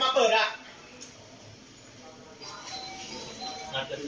อาจต้องดูแลซักท่วนการนั่งท